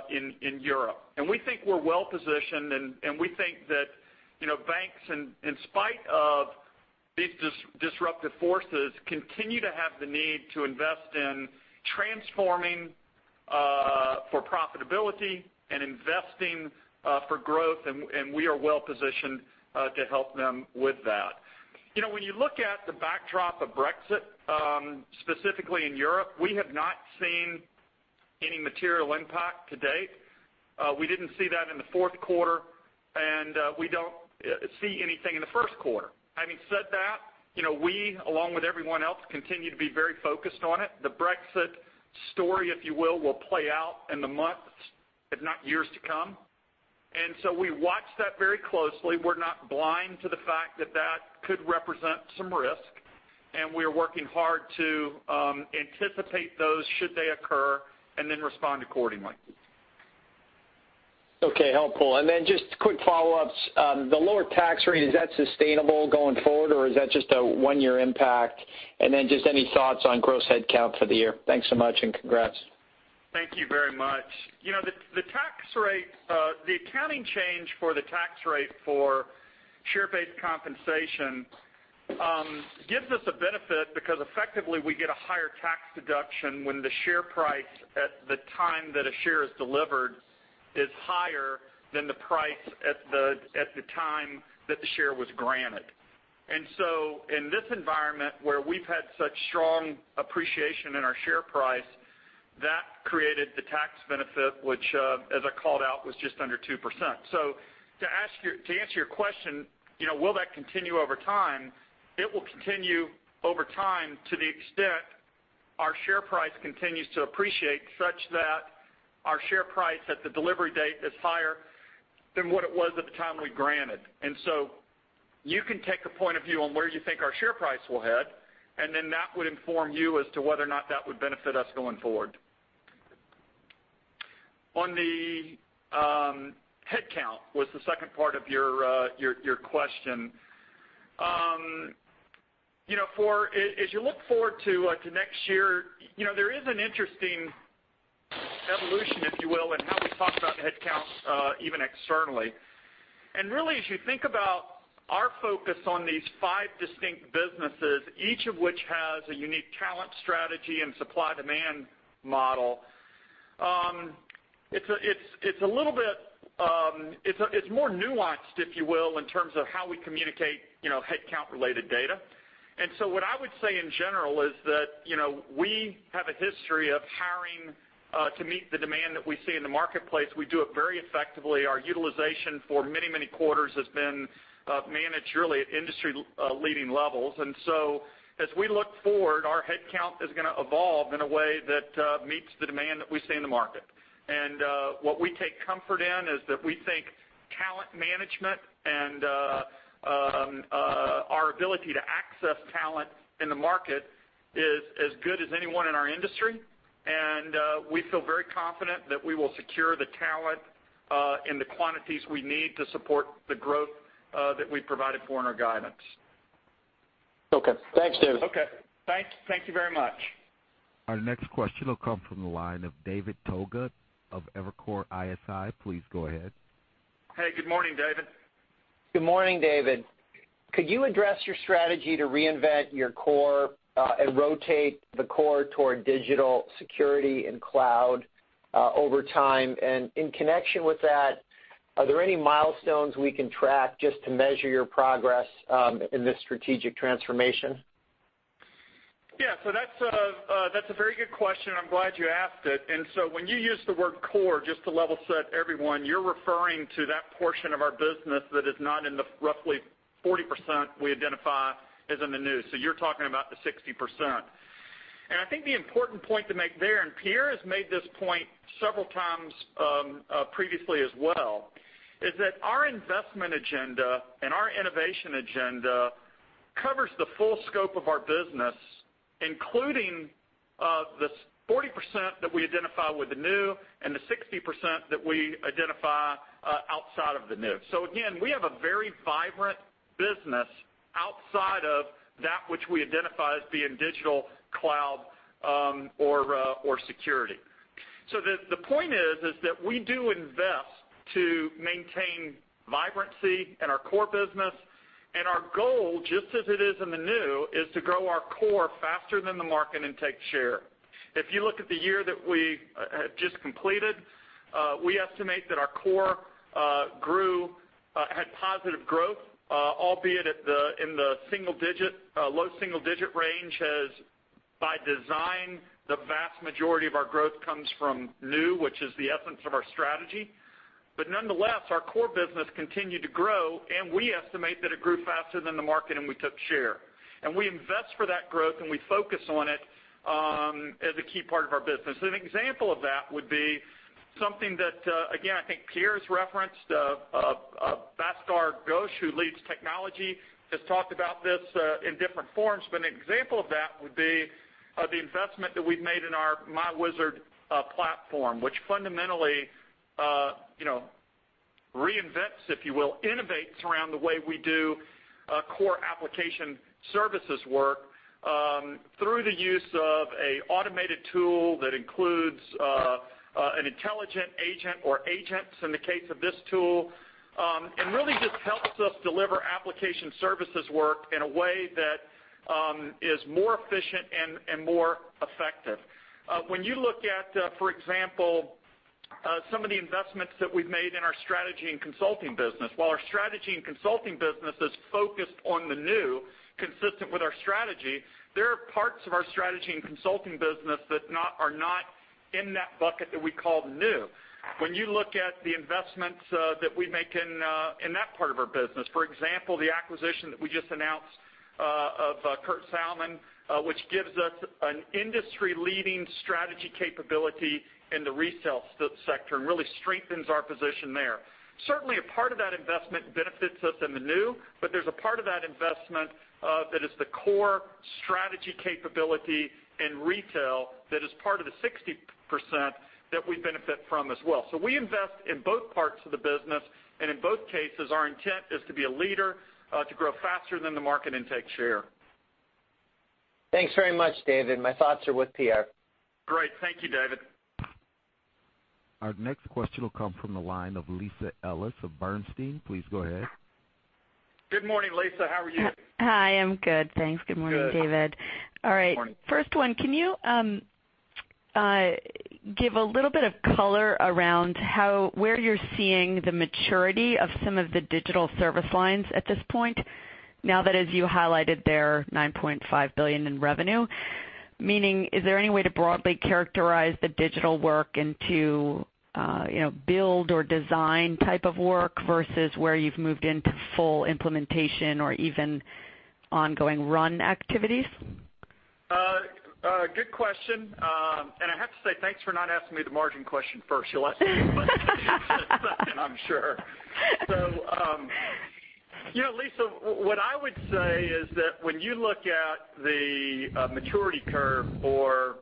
in Europe. We think we're well-positioned, and we think that banks, in spite of these disruptive forces, continue to have the need to invest in transforming for profitability and investing for growth, and we are well-positioned to help them with that. When you look at the backdrop of Brexit, specifically in Europe, we have not seen any material impact to date. We didn't see that in the fourth quarter, and we don't see anything in the first quarter. Having said that, we, along with everyone else, continue to be very focused on it. The Brexit story, if you will play out in the months, if not years to come. We watch that very closely. We're not blind to the fact that that could represent some risk, and we are working hard to anticipate those should they occur, and then respond accordingly. Okay, helpful. Just quick follow-ups. The lower tax rate, is that sustainable going forward, or is that just a one-year impact? Just any thoughts on gross headcount for the year. Thanks so much, and congrats. Thank you very much. The accounting change for the tax rate for share-based compensation gives us a benefit because effectively we get a higher tax deduction when the share price at the time that a share is delivered is higher than the price at the time that the share was granted. In this environment, where we've had such strong appreciation in our share price, that created the tax benefit, which, as I called out, was just under 2%. To answer your question, will that continue over time? It will continue over time to the extent our share price continues to appreciate such that our share price at the delivery date is higher than what it was at the time we granted. You can take a point of view on where you think our share price will head, and then that would inform you as to whether or not that would benefit us going forward. On the headcount, was the second part of your question. As you look forward to next year, there is an interesting evolution, if you will, in how we talk about headcount, even externally. Really, as you think about our focus on these five distinct businesses, each of which has a unique talent strategy and supply-demand model, it's more nuanced, if you will, in terms of how we communicate headcount-related data. What I would say in general is that, we have a history of hiring to meet the demand that we see in the marketplace. We do it very effectively. Our utilization for many, many quarters has been managed really at industry-leading levels. As we look forward, our headcount is going to evolve in a way that meets the demand that we see in the market. What we take comfort in is that we think talent management and our ability to access talent in the market is as good as anyone in our industry. We feel very confident that we will secure the talent in the quantities we need to support the growth that we've provided for in our guidance. Okay. Thanks, David. Okay. Thank you very much. Our next question will come from the line of David Togut of Evercore ISI. Please go ahead. Hey, good morning, David. Good morning, David. Could you address your strategy to reinvent your core and rotate the core toward digital security and cloud over time? In connection with that, are there any milestones we can track just to measure your progress in this strategic transformation? Yeah, that's a very good question. I'm glad you asked it. When you use the word core, just to level set everyone, you're referring to that portion of our business that is not in the roughly 40% we identify as in the new. You're talking about the 60%. I think the important point to make there, Pierre has made this point several times previously as well, is that our investment agenda and our innovation agenda covers the full scope of our business, including the 40% that we identify with the new and the 60% that we identify outside of the new. Again, we have a very vibrant business outside of that which we identify as being digital, cloud, or security. The point is that we do invest to maintain vibrancy in our core business, our goal, just as it is in the new, is to grow our core faster than the market and take share. If you look at the year that we have just completed, we estimate that our core had positive growth, albeit in the low single-digit range, as by design, the vast majority of our growth comes from new, which is the essence of our strategy. Nonetheless, our core business continued to grow, we estimate that it grew faster than the market and we took share. We invest for that growth and we focus on it as a key part of our business. An example of that would be something that, again, I think Pierre's referenced. Bhaskar Ghosh, who leads technology, has talked about this in different forms. An example of that would be the investment that we've made in our myWizard platform, which fundamentally reinvents, if you will, innovates around the way we do core application services work through the use of an automated tool that includes an intelligent agent or agents in the case of this tool. Really just helps us deliver application services work in a way that is more efficient and more effective. When you look at, for example, some of the investments that we've made in our strategy and consulting business, while our strategy and consulting business is focused on the New, consistent with our strategy, there are parts of our strategy and consulting business that are not in that bucket that we call the New. When you look at the investments that we make in that part of our business, for example, the acquisition that we just announced of Kurt Salmon, which gives us an industry-leading strategy capability in the retail sector and really strengthens our position there. Certainly a part of that investment benefits us in the New, but there's a part of that investment that is the core strategy capability in retail that is part of the 60% that we benefit from as well. We invest in both parts of the business, and in both cases, our intent is to be a leader, to grow faster than the market, and take share. Thanks very much, David. My thoughts are with Pierre. Great. Thank you, David. Our next question will come from the line of Lisa Ellis of Bernstein. Please go ahead. Good morning, Lisa. How are you? Hi. I'm good, thanks. Good morning, David. Good. All right. Good morning. First one, can you give a little bit of color around where you're seeing the maturity of some of the digital service lines at this point, now that, as you highlighted there, $9.5 billion in revenue? Meaning, is there any way to broadly characterize the digital work into build or design type of work versus where you've moved into full implementation or even ongoing run activities? Good question. I have to say, thanks for not asking me the margin question first, Lisa, but it's second, I'm sure. Lisa, what I would say is that when you look at the maturity curve for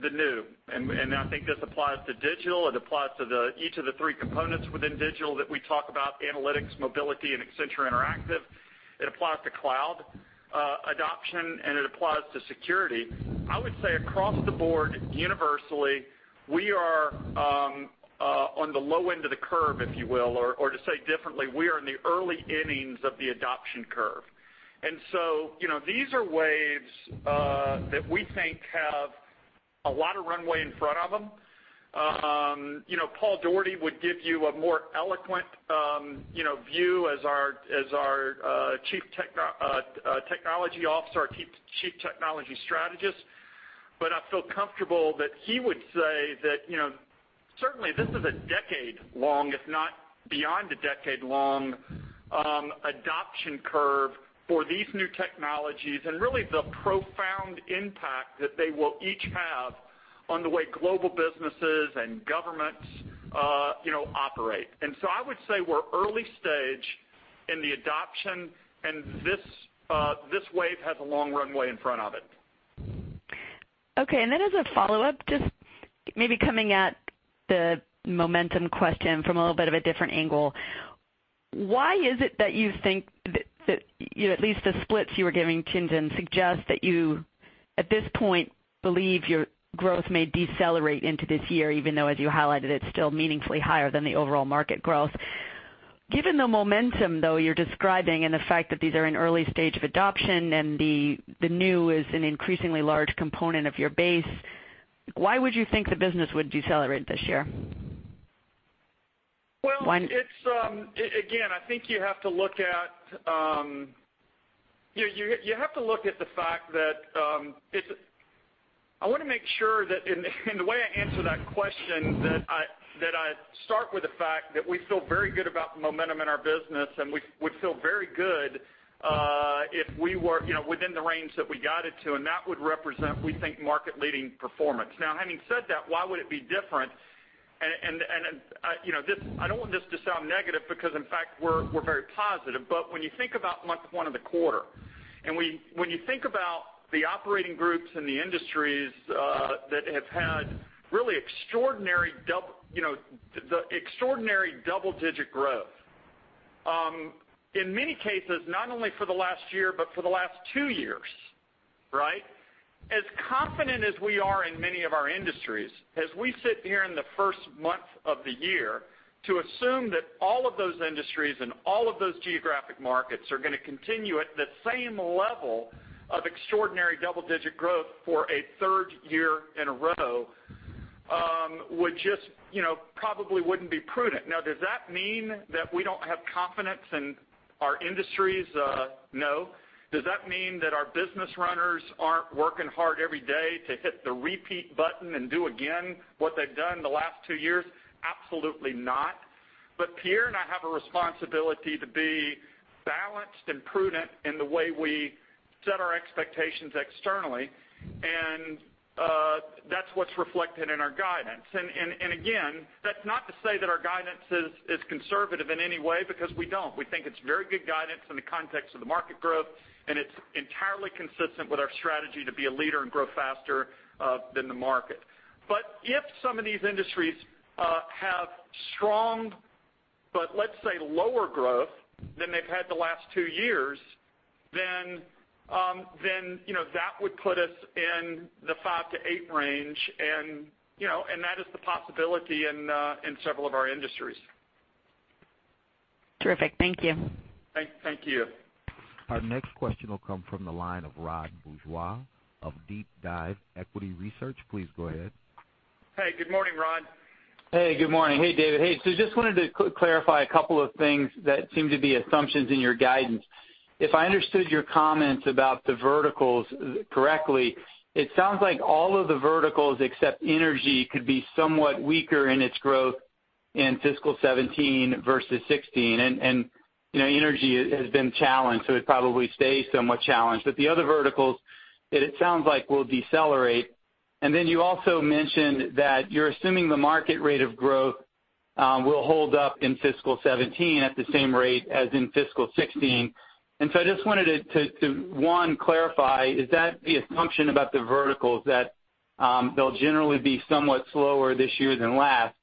the new, and I think this applies to digital, it applies to each of the three components within digital that we talk about, analytics, mobility, and Accenture Interactive. It applies to cloud adoption, and it applies to security. I would say across the board, universally, we are on the low end of the curve, if you will, or to say differently, we are in the early innings of the adoption curve. These are waves that we think have a lot of runway in front of them. Paul Daugherty would give you a more eloquent view as our Chief Technology Officer, our Chief Technology Strategist. I feel comfortable that he would say that certainly this is a decade long, if not beyond a decade long, adoption curve for these new technologies and really the profound impact that they will each have on the way global businesses and governments operate. I would say we're early stage in the adoption, and this wave has a long runway in front of it. Okay. As a follow-up, just maybe coming at the momentum question from a little bit of a different angle. Why is it that you think that at least the splits you were giving [inaudible] suggest that you, at this point, believe your growth may decelerate into this year, even though, as you highlighted, it's still meaningfully higher than the overall market growth. Given the momentum, though, you're describing and the fact that these are in early stage of adoption and the new is an increasingly large component of your base, why would you think the business would decelerate this year? Well- Why- I think you have to look at the fact that I want to make sure that in the way I answer that question, that I start with the fact that we feel very good about the momentum in our business, and we feel very good if we were within the range that we guided to, and that would represent, we think, market-leading performance. Having said that, why would it be different? I don't want this to sound negative because, in fact, we're very positive. When you think about month one of the quarter, and when you think about the operating groups and the industries that have had really extraordinary double-digit growth, in many cases, not only for the last year, but for the last two years, right? As confident as we are in many of our industries, as we sit here in the first month of the year, to assume that all of those industries and all of those geographic markets are going to continue at the same level of extraordinary double-digit growth for a third year in a row would just probably wouldn't be prudent. Does that mean that we don't have confidence in our industries? No. Does that mean that our business runners aren't working hard every day to hit the repeat button and do again what they've done the last two years? Absolutely not. Pierre and I have a responsibility to be balanced and prudent in the way we set our expectations externally, and that's what's reflected in our guidance. That's not to say that our guidance is conservative in any way, because we don't. We think it's very good guidance in the context of the market growth. It's entirely consistent with our strategy to be a leader and grow faster than the market. If some of these industries have strong, but let's say, lower growth than they've had the last two years, then that would put us in the five to eight range, and that is the possibility in several of our industries. Terrific. Thank you. Thank you. Our next question will come from the line of Rod Bourgeois of DeepDive Equity Research. Please go ahead. Hey, good morning, Rod. Hey, good morning. Hey, David. So just wanted to clarify a couple of things that seem to be assumptions in your guidance. If I understood your comments about the verticals correctly, it sounds like all of the verticals, except energy, could be somewhat weaker in its growth in fiscal 2017 versus 2016. Energy has been challenged, so it probably stays somewhat challenged. The other verticals that it sounds like will decelerate. You also mentioned that you're assuming the market rate of growth will hold up in fiscal 2017 at the same rate as in fiscal 2016. I just wanted to, one, clarify, is that the assumption about the verticals, that they'll generally be somewhat slower this year than last?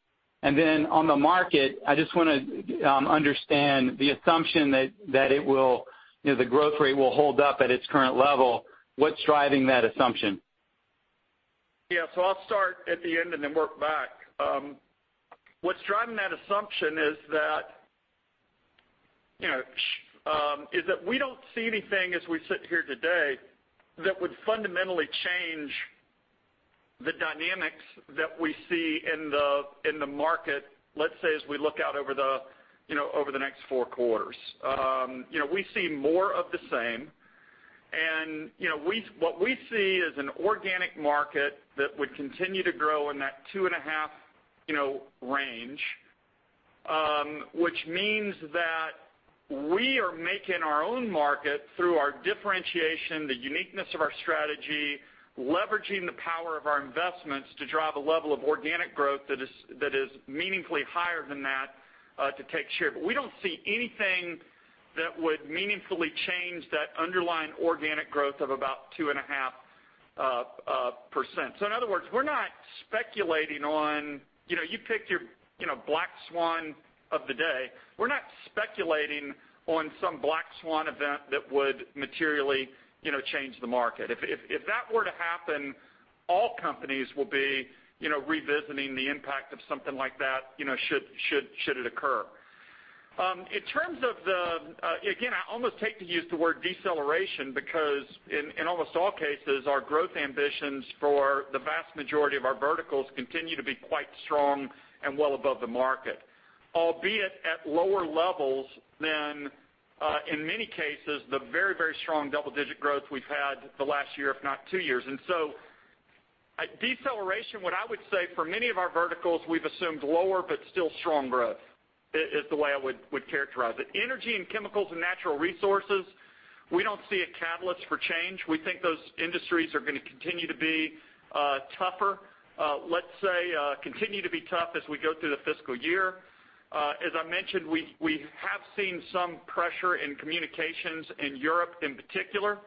On the market, I just want to understand the assumption that the growth rate will hold up at its current level. What's driving that assumption? Yeah. I'll start at the end and work back. What's driving that assumption is that we don't see anything as we sit here today that would fundamentally change the dynamics that we see in the market, let's say, as we look out over the next four quarters. We see more of the same, and what we see is an organic market that would continue to grow in that 2.5 range, which means that we are making our own market through our differentiation, the uniqueness of our strategy, leveraging the power of our investments to drive a level of organic growth that is meaningfully higher than that to take share. We don't see anything that would meaningfully change that underlying organic growth of about 2.5%. In other words, we're not speculating on You picked your black swan of the day. We're not speculating on some black swan event that would materially change the market. If that were to happen, all companies will be revisiting the impact of something like that, should it occur. In terms of the, again, I almost hate to use the word deceleration because in almost all cases, our growth ambitions for the vast majority of our verticals continue to be quite strong and well above the market. Albeit at lower levels than in many cases, the very strong double-digit growth we've had the last year, if not two years. A deceleration, what I would say for many of our verticals, we've assumed lower but still strong growth, is the way I would characterize it. Energy and chemicals and natural resources, we don't see a catalyst for change. We think those industries are going to continue to be tougher. Let's say, continue to be tough as we go through the fiscal year. As I mentioned, we have seen some pressure in communications in Europe in particular.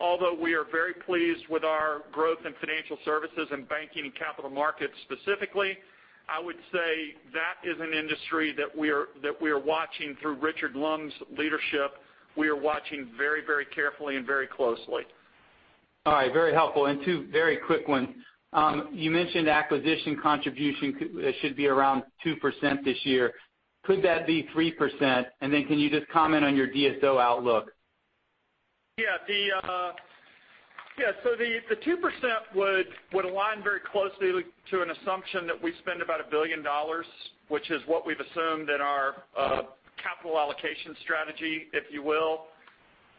Although we are very pleased with our growth in Financial Services and banking and capital markets specifically, I would say that is an industry that we are watching through Richard Lumb's leadership. We are watching very carefully and very closely. All right. Very helpful. Two very quick ones. You mentioned acquisition contribution should be around 2% this year. Could that be 3%? Can you just comment on your DSO outlook? The 2% would align very closely to an assumption that we spend about $1 billion, which is what we've assumed in our capital allocation strategy, if you will.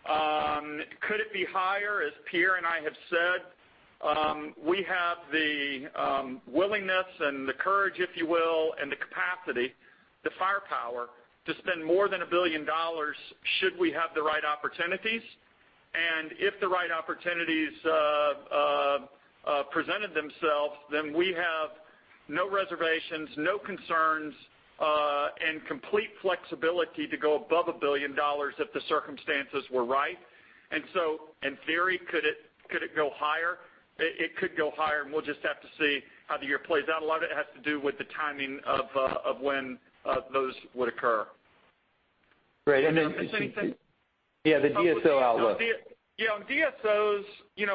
Could it be higher? As Pierre and I have said, we have the willingness and the courage, if you will, and the capacity, the firepower, to spend more than $1 billion should we have the right opportunities. If the right opportunities presented themselves, we have no reservations, no concerns, and complete flexibility to go above $1 billion if the circumstances were right. In theory, could it go higher? It could go higher, and we'll just have to see how the year plays out. A lot of it has to do with the timing of when those would occur. Great. Anything- Yeah, the DSO outlook. Yeah, on DSOs,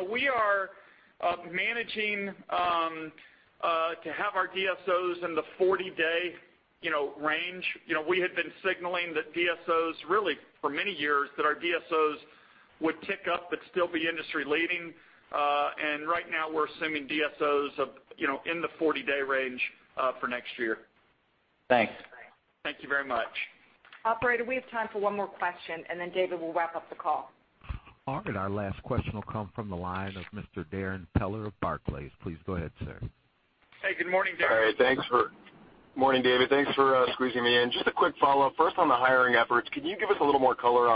we are managing to have our DSOs in the 40-day range. We had been signaling that DSOs really for many years, that our DSOs would tick up but still be industry leading. Right now, we're assuming DSOs in the 40-day range for next year. Thanks. Thank you very much. Operator, we have time for one more question, then David will wrap up the call. All right. Our last question will come from the line of Mr. Darrin Peller of Barclays. Please go ahead, sir. Hey, good morning, Darrin. All right. Morning, David. Thanks for squeezing me in. Just a quick follow-up. First on the hiring efforts, can you give us a little more color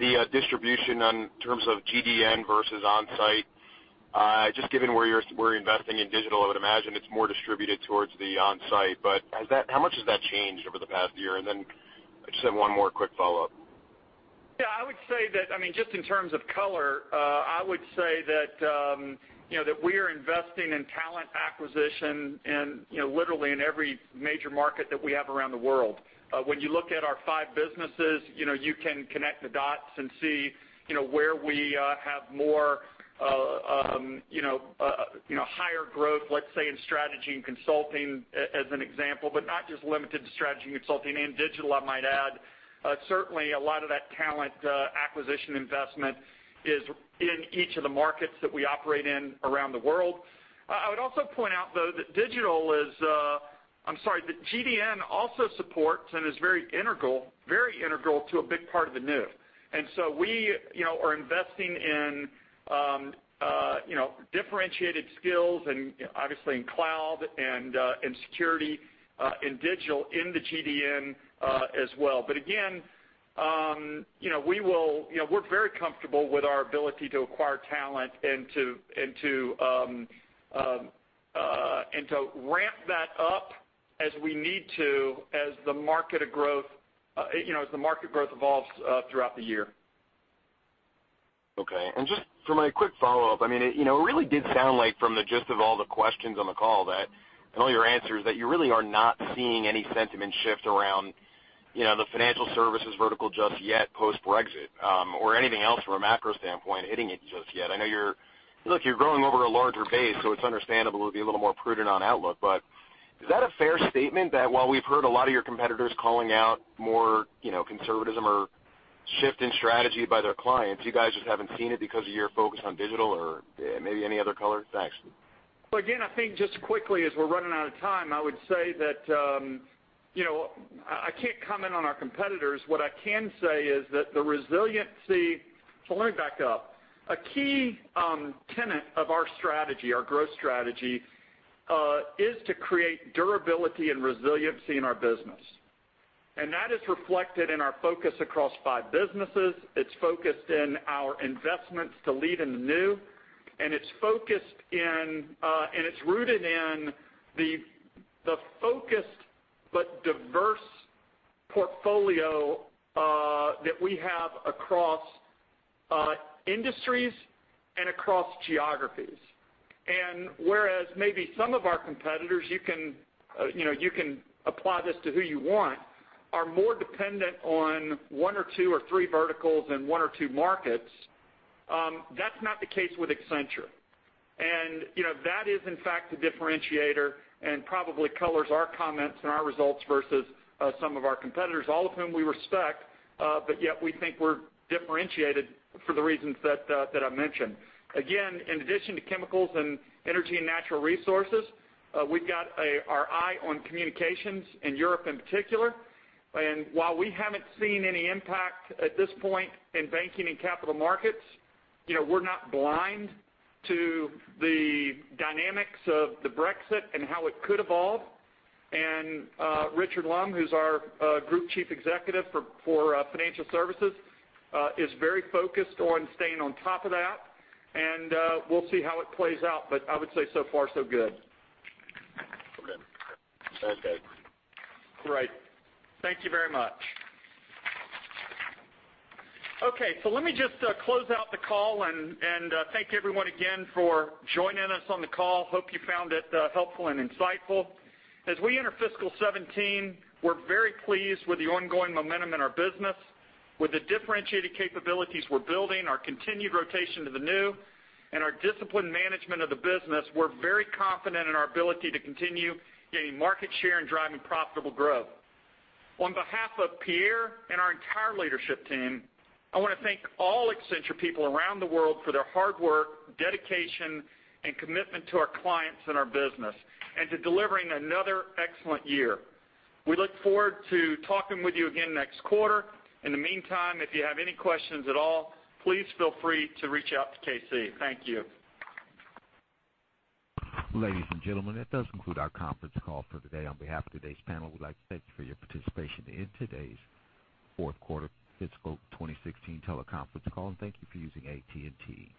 on the distribution in terms of GDN versus on-site? Just given where you're investing in digital, I would imagine it's more distributed towards the on-site. How much has that changed over the past year? I just have one more quick follow-up. Yeah, I would say that, just in terms of color, I would say that we are investing in talent acquisition and literally in every major market that we have around the world. When you look at our five businesses, you can connect the dots and see where we have more higher growth, let's say, in strategy and consulting as an example, but not just limited to strategy and consulting. In digital, I might add. Certainly, a lot of that talent acquisition investment is in each of the markets that we operate in around the world. I would also point out, though, that GDN also supports and is very integral to a big part of the new. We are investing in differentiated skills and obviously in cloud and in security, in digital, in the GDN as well. Again, we're very comfortable with our ability to acquire talent and to ramp that up as we need to, as the market growth evolves throughout the year. Okay. Just for my quick follow-up, it really did sound like from the gist of all the questions on the call and all your answers, that you really are not seeing any sentiment shift around the financial services vertical just yet post-Brexit, or anything else from a macro standpoint hitting it just yet. I know you're growing over a larger base, so it's understandable to be a little more prudent on outlook. Is that a fair statement that while we've heard a lot of your competitors calling out more conservatism or shift in strategy by their clients, you guys just haven't seen it because of your focus on digital or maybe any other color? Thanks. Again, I think just quickly as we're running out of time, I would say that I can't comment on our competitors. What I can say is that the resiliency. So let me back up. A key tenet of our strategy, our growth strategy, is to create durability and resiliency in our business. That is reflected in our focus across five businesses. It's focused in our investments to lead in the new, it's rooted in the focused but diverse portfolio that we have across industries and across geographies. Whereas maybe some of our competitors, you can apply this to who you want, are more dependent on one or two or three verticals and one or two markets, that's not the case with Accenture. That is, in fact, the differentiator and probably colors our comments and our results versus some of our competitors, all of whom we respect, yet we think we're differentiated for the reasons that I mentioned. Again, in addition to chemicals and energy and natural resources, we've got our eye on communications in Europe in particular. While we haven't seen any impact at this point in banking and capital markets, we're not blind to the dynamics of the Brexit and how it could evolve. Richard Lumb, who's our Group Chief Executive for Financial Services, is very focused on staying on top of that, and we'll see how it plays out. I would say so far so good. Okay. Great. Thank you very much. Okay, let me just close out the call and thank everyone again for joining us on the call. Hope you found it helpful and insightful. As we enter fiscal 2017, we're very pleased with the ongoing momentum in our business. With the differentiated capabilities we're building, our continued rotation to the new, and our disciplined management of the business, we're very confident in our ability to continue gaining market share and driving profitable growth. On behalf of Pierre and our entire leadership team, I want to thank all Accenture people around the world for their hard work, dedication, and commitment to our clients and our business, and to delivering another excellent year. We look forward to talking with you again next quarter. In the meantime, if you have any questions at all, please feel free to reach out to KC. Thank you. Ladies and gentlemen, that does conclude our conference call for today. On behalf of today's panel, we'd like to thank you for your participation in today's fourth quarter fiscal 2016 teleconference call, and thank you for using AT&T